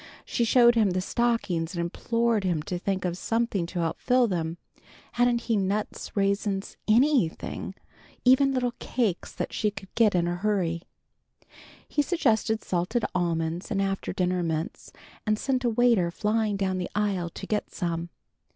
She showed him the stockings and implored him to think of something to help fill them. Hadn't he nuts, raisins, anything, even little cakes, that she could get in a hurry? He suggested salted almonds and after dinner mints, and sent a waiter flying down the aisle to get some.